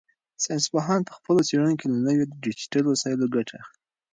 ساینس پوهان په خپلو څېړنو کې له نویو ډیجیټل وسایلو ګټه اخلي.